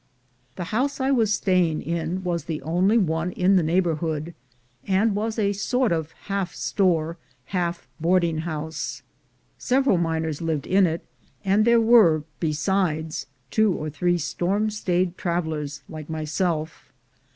The house I was staying in was the only one in the neighborhood, and was a sort of half store, half boarding house. Several miners lived in it, and there were, besides, two or three storm stayed travelers like mj^self.